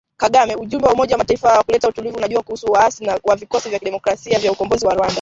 Kagame: Ujumbe wa Umoja wa Mataifa wa kuleta utulivu unajua kuhusu waasi wa Vikosi vya Kidemokrasia vya Ukombozi wa Rwanda.